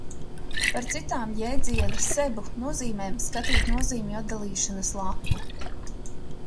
Par citām jēdziena Sebu nozīmēm skatīt nozīmju atdalīšanas lapu.